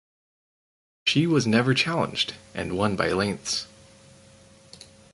She was never challenged and won by lengths.